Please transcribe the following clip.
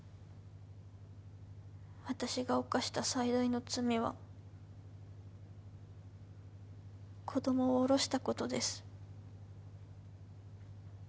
私が犯した最大の罪は子供をおろしたことです。